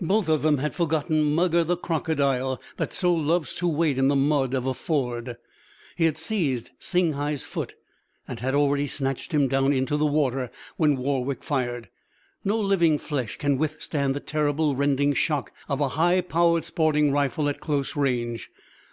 Both of them had forgotten Mugger, the crocodile, that so loves to wait in the mud of a ford. He had seized Singhai's foot, and had already snatched him down into the water when Warwick fired. No living flesh can withstand the terrible, rending shock of a high powered sporting rifle at close range.